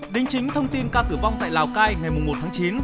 đính chính thông tin ca tử vong tại lào cai ngày một tháng chín